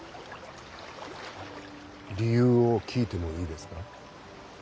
理由を聞いてもいいですか？